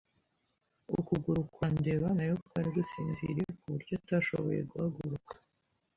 Ukuguru kwa ndeba nayo kwari gusinziriye ku buryo atashoboye guhaguruka.